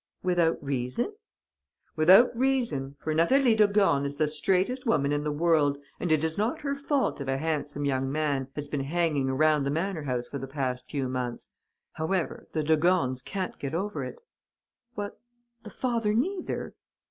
"'Without reason?' "'Without reason, for Natalie de Gorne is the straightest woman in the world and it is not her fault if a handsome young man has been hanging around the manor house for the past few months. However, the de Gornes can't get over it.' "'What, the father neither?'